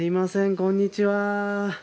こんにちは。